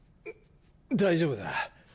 大丈夫だ。